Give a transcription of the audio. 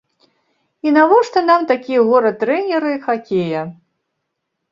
І навошта нам такія гора-трэнеры хакея?